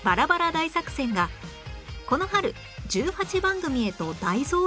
大作戦がこの春１８番組へと大増量！